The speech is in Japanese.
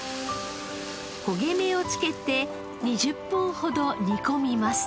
焦げ目を付けて２０分ほど煮込みます。